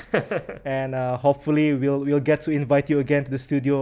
dan semoga kita bisa mengundang anda ke studio